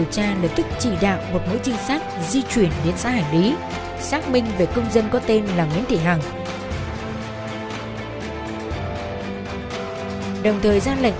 các trình sát đã xác minh được